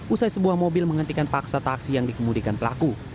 usai sebuah mobil menghentikan paksa taksi yang dikemudikan pelaku